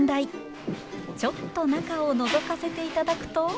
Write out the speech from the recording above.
ちょっと中をのぞかせていただくと。